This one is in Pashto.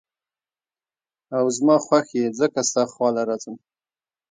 او زما خوښ ئې ځکه ستا خواله راځم ـ